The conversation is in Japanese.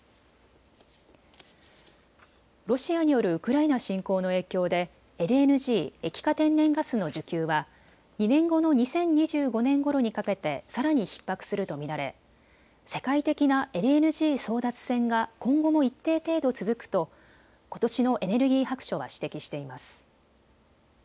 ロシアによるウクライナ侵攻の影響でＬＮＧ・液化天然ガスの需給は２年後の２０２５年ごろにかけてさらにひっ迫すると見られ世界的なＬＮＧ争奪戦が今後も一定程度続くとことしのエネルギー白書は指摘しています。